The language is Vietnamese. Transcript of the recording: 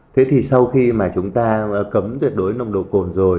thế thì sau khi mà chúng ta cấm tuyệt đối nồng độ cồn rồi